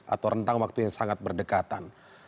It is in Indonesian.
atau rentang waktu yang sangat berdekatan